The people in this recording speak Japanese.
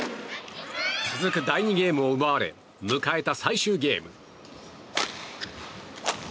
続く第２ゲームを奪われ迎えた最終ゲーム。